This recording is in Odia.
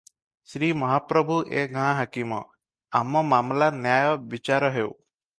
ଶ୍ରୀମହାପ୍ରଭୁ ଏ ଗାଁ ହାକିମ, ଆମ ମାମଲା ନ୍ୟାୟ ବିଚାର ହେଉ ।